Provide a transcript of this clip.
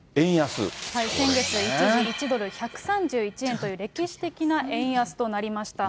先月、一時１ドル１３１円という歴史的な円安となりました。